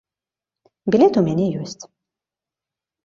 Білет ў мяне ёсць.